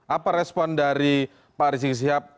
apa respon dari pak rizik sihab